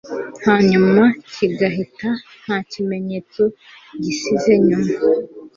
hanyuma kigahita nta kimenyetso gisize inyuma